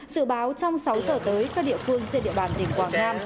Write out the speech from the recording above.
dự báo trong sáu giờ tới các địa phương trên địa bàn tỉnh quảng nam